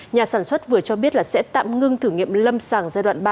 nhà sản xuất vừa cho biết là sẽ tạm ngưng thử nghiệm lâm sàng giai đoạn ba